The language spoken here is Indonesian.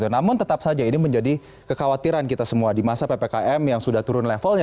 namun tetap saja ini menjadi kekhawatiran kita semua di masa ppkm yang sudah turun levelnya